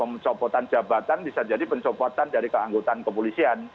pemotongan jabatan bisa jadi pencopotan dari keanggutan kepolisian